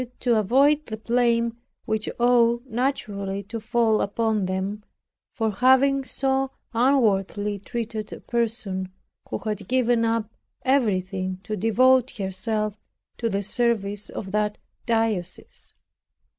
To avoid the blame which ought naturally to fall upon them for having so unworthily treated a person who have given up everything to devote herself to the service of that diocese.